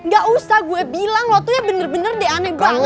gak usah gue bilang lo tuh ya bener bener deh aneh banget